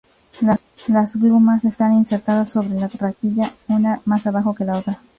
Las glumas están insertadas sobre la raquilla, una más abajo que la otra.